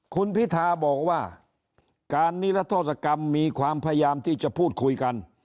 คุณพิธาบอกว่าการนิรัทธศกรรมมีความพยายามที่จะพูดคุยกัน